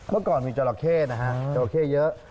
เมื่อก่อนมีเจราะเข้เจราะเข้เยอะ